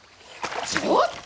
ちょっと！